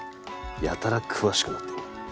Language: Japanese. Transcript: やたら詳しくなってんな。